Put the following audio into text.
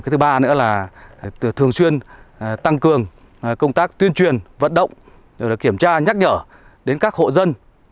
thứ ba nữa là thường xuyên tăng cường công tác tuyên truyền vận động rồi kiểm tra nhắc nhở đến các hộ dân